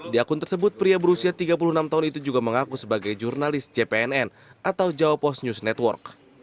di akun tersebut pria berusia tiga puluh enam tahun itu juga mengaku sebagai jurnalis jpnn atau jawa post news network